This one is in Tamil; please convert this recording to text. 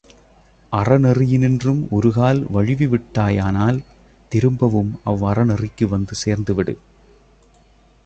அறநெறியினின்றும் ஒருகால் வழுவி விட்டாயானால் திரும்பவும் அவ் அறநெறிக்கு வந்து சேர்ந்துவிடு.